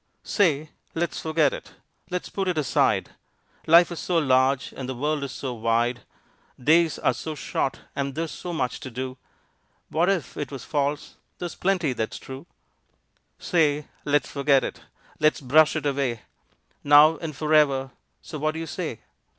Say! Let's forget it! Let's put it aside! Life is so large and the world is so wide. Days are so short and there's so much to do, What if it was false there's plenty that's true. Say! Let's forget it! Let's brush it away Now and forever, so what do you say?